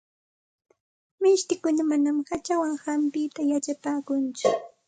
Mishtikuna manam hachawan hampita yachapaakunchu.